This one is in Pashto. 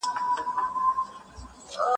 زه درسونه نه لوستل کوم.